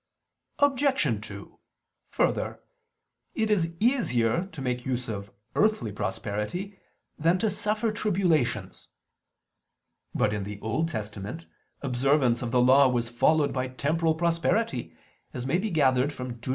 Obj. 2: Further, it is easier to make use of earthly prosperity than to suffer tribulations. But in the Old Testament observance of the Law was followed by temporal prosperity, as may be gathered from Deut.